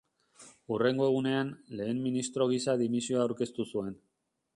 Hurrengo egunean, lehen ministro gisa dimisioa aurkeztu zuen.